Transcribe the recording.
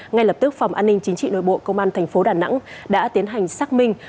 ngay lập tức phòng an ninh chính trị nội bộ công an thành phố đà nẵng đã tiến hành xác minh